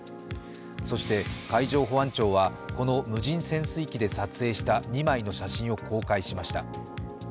そして海上保安庁はこの無人潜水機で撮影した２枚の写真を公開しました。